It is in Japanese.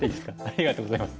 ありがとうございます。